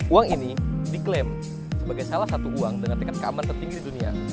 uang ini diklaim sebagai salah satu uang dengan tingkat keamanan tertinggi di dunia